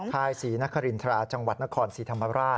ค่ายศรีนครินทราจังหวัดนครศรีธรรมราช